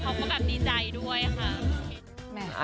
เขาก็แบบดีใจด้วยค่ะ